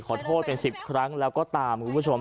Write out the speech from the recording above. ขอโทษเป็น๑๐ครั้งแล้วก็ตามคุณผู้ชม